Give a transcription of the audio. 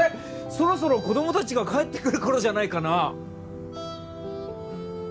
そろそろ子どもたちが帰ってくる頃じゃないかな